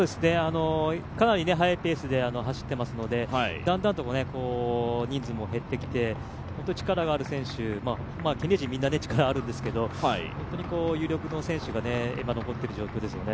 かなり速いペースで走ってますのでだんだんと人数も減ってきて本当に力がある選手、ケニア人みんな力があるんですけど、本当に有力な選手が今、残っている状況ですね。